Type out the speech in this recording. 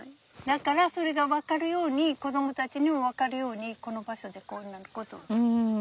だからそれが分かるように子どもたちにも分かるようにこの場所でこんなことをすることにしたのよ。